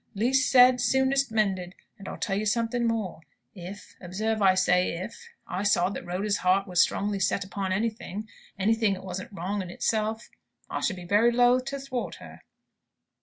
'Least said, soonest mended.' And I'll tell you something more. If observe I say 'if' I saw that Rhoda's heart was strongly set upon anything, anything as wasn't wrong in itself, I should be very loath to thwart her."